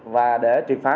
và để triệt pháp